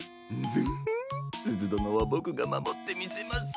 ンヅフッすずどのはボクがまもってみせます。